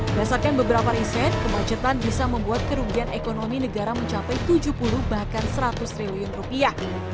berdasarkan beberapa riset kemacetan bisa membuat kerugian ekonomi negara mencapai tujuh puluh bahkan seratus triliun rupiah